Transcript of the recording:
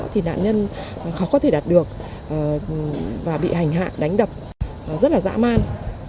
thì nạn nhân khó có thể đạt được và bị hành hạ đánh đập rất là dã man